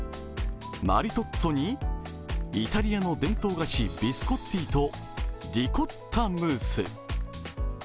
マリトッツォにイタリアの伝統菓子ビスコッティとリコッタムース。